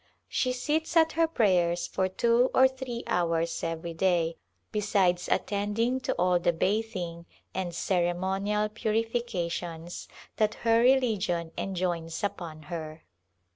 She sits at her prayers for two or three hours every day, besides attending to all the bathing and ceremonial purifications that her religion enjoins upon her.